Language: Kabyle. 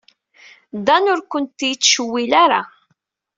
Dan ur kent-yettcewwil ara.